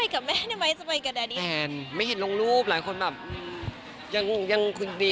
ก็ไม่ได้ห่างไม่ได้เลิกอะไรแบบนี้